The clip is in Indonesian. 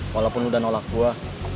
walaupun udah nolak gue